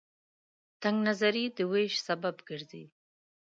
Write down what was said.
تنگ نظرۍ د وېش سبب ګرځي.